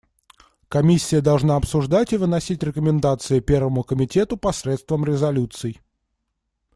Комиссия должна обсуждать и выносить рекомендации Первому комитету посредством резолюций.